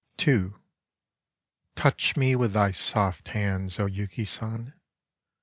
II Touch me with thy soft hands, O Yuki San !